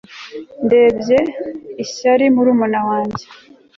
Ndebye ishyari murumuna wanjye